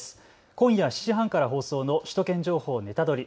今夜７時半から放送の首都圏情報ネタドリ！